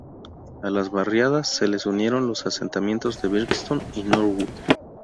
A las barriadas se les unieron los asentamientos de Brixton y Norwood.